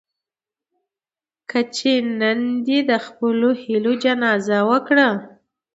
کچې نن دې د خپلو هيلو جنازه وکړه.